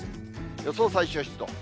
予想最小湿度。